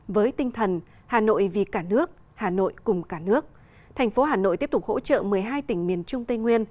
với tinh thần hà nội vì cả nước hà nội cùng cả nước thành phố hà nội tiếp tục hỗ trợ một mươi hai tỉnh miền trung tây nguyên